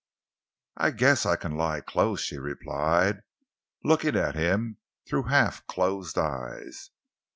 "I guess I can lie close," she replied, looking at him through half closed eyes.